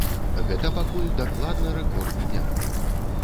Гэта пакуль дакладна рэкорд дня.